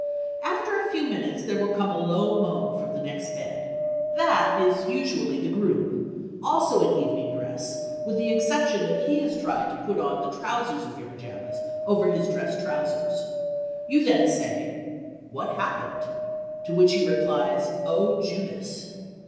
After a few minutes there will come a low moan from the next bed. That is usually the groom, also in evening dress with the exception that he has tried to put on the trousers of your pajamas over his dress trousers. You then say, "What happened?" to which he replies, "Oh, Judas."